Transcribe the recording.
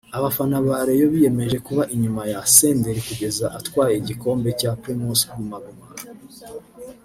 Abafana ba Rayon biyemeje kuba inyuma ya Senderi kugeza atwaye igikombe cya Primus Guma Guma